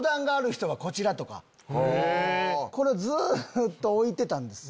これずっと置いてたんです。